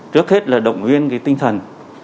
trước hết là động viên tinh thần